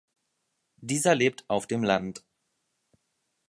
Dieser lebt auf dem Land.